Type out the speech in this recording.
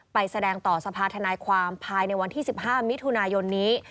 ไปแสดงต่อสภาธนายความภายในวันที่๑๕มิถุนายนนี้